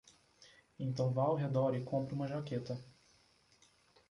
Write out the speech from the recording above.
Então vá ao redor e compre uma jaqueta